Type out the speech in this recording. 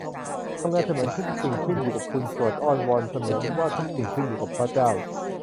ทำงานเสมือนทุกสิ่งขึ้นอยู่กับคุณ สวดอ้อนวอนเสมือนว่าทุกสิ่งขึ้นอยู่กับพระเจ้า